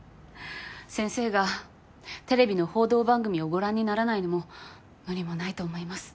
先生がテレビの報道番組をご覧にならないのも無理もないと思います。